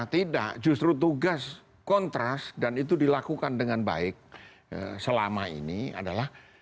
tidak justru tugas kontras dan itu dilakukan dengan baik selama ini adalah